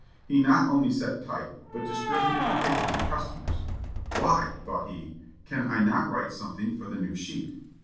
He not only set type, but distributed the paper to customers. "Why," thought he, "can I not write something for the new sheet?"